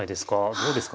どうですか？